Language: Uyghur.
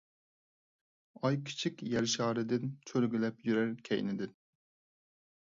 ئاي كىچىك يەر شارىدىن، چۆرگۈلەپ يۈرەر كەينىدىن.